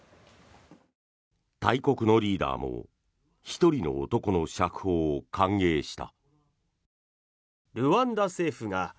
大国のリーダーも１人の男の釈放を歓迎した。